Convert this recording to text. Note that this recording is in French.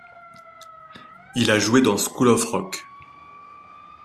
Il a joué dans school of rock.